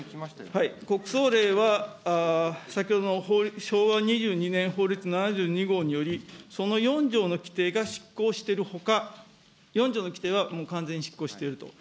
国葬令は先ほどの昭和２２年法律７２号により、その４条の規定が失効しているほか、４条の規定はもう完全に失効していると。